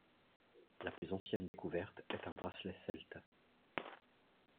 La plus ancienne découverte est un bracelet celte.